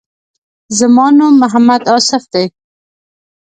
زما نوم محمد آصف دی.